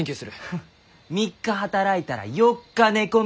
フッ３日働いたら４日寝込みますよ。